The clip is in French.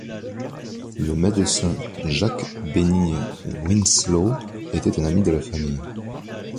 Le médecin Jacques-Bénigne Winslow était un ami de la famille.